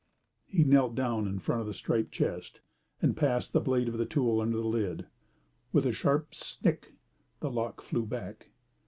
He had knelt down in front of the striped chest, and passed the blade of the tool under the lid. With a sharp snick the lock flew back.